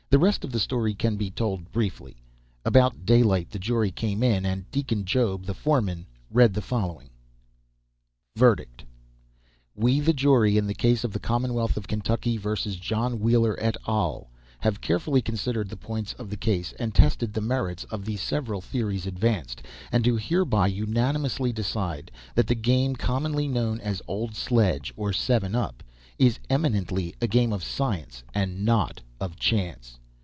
The rest of the story can be told briefly. About daylight the jury came in, and Deacon Job, the foreman, read the following: VERDICT: We, the jury in the case of the Commonwealth of Kentucky vs. John Wheeler et al., have carefully considered the points of the case, and tested the merits of the several theories advanced, and do hereby unanimously decide that the game commonly known as old sledge or seven up is eminently a game of science and not of chance.